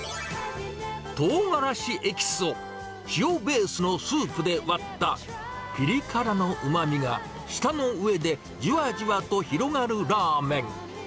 とうがらしエキスを塩ベースのスープでわったぴり辛のうまみが、舌の上でじわじわと広がるラーメン。